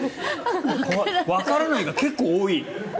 わからないが結構多い。